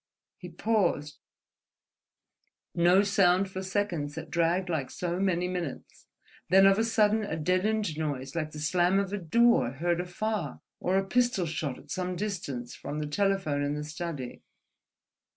He paused: no sound for seconds that dragged like so many minutes, then of a sudden a deadened noise like the slam of a door heard afar—or a pistol shot at some distance from the telephone in the study.